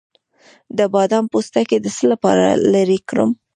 د بادام پوستکی د څه لپاره لرې کړم؟